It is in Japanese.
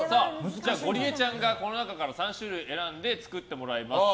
ゴリエちゃんがこの中から３種類選んで作ってもらいます。